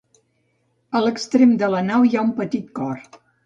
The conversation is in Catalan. A l'extrem de la nau hi ha un petit cor.